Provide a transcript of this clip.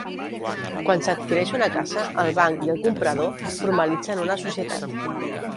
Quan s'adquireix una casa el banc i el comprador formalitzen una societat.